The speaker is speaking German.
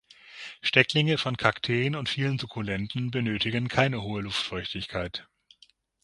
Stecklinge von Kakteen und vielen Sukkulenten benötigen keine hohe Luftfeuchtigkeit.